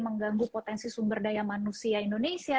mengganggu potensi sumber daya manusia indonesia